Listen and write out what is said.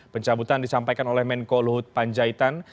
pencabutan disampaikan oleh menko luhut panjaitan